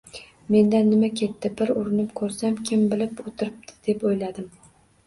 Mendan nima ketdi, bir urinib ko`rsam, kim bilib o`tiribdi, deb o`yladim